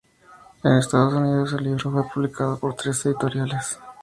En Estados Unidos el libro fue publicado por tres editoriales.